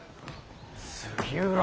杉浦！